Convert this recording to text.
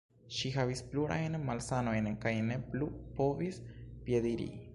Ŝi havis plurajn malsanojn kaj ne plu povis piediri.